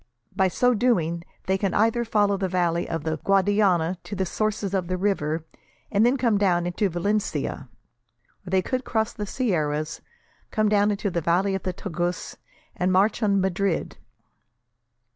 By so doing, they can either follow the valley of the Guadiana to the sources of the river, and then come down into Valencia; or they could cross the sierras, come down into the valley of the Tagus, and march on Madrid.